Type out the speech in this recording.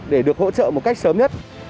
để được hỗ trợ một cách sớm nhất